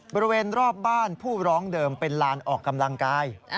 บริเวณรอบบ้านผู้ร้องเดิมเป็นลานออกกำลังกาย